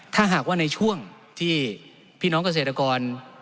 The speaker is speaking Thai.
ถ้าหากว่าในช่วงที่พี่น้องเกษตรกร